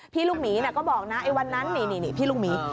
พี่ลูกหมีก็บอกนะไอ้วันนั้นนี่พี่ลูกหมี